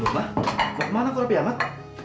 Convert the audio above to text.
dunga kok kemana kok rapi amat